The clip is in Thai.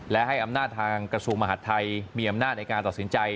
และให้อำนาจทางกระทรวงมหาดไทยมีอำนาจในการตัดสินใจ